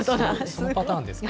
そういうパターンですか。